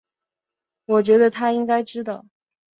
我觉得他应该知道